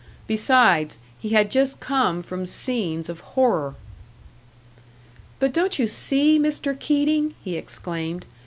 Besides, he had just come from scenes of horror. "But don't you see, Mr. Keating?" he exclaimed.